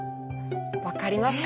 分かりますか？